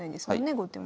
後手も。